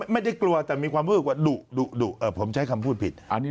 ไม่ได้กลัวแต่มีความว่าดุดุดุผมใช้คำพูดผิดอ่านนี้